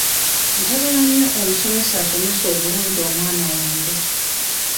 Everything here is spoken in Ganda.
Njagala nnyo omusomesa asomesa obulungi omwana wange.